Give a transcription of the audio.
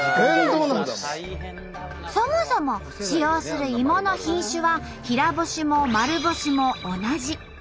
そもそも使用する芋の品種は平干しも丸干しも同じ。